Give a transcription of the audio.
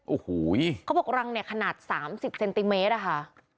โอ้โหยเขาบอกรังเนี่ยขนาดสามสิบเซนติเมตรค่ะ